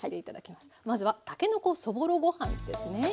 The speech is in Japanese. まずはたけのこそぼろご飯ですね。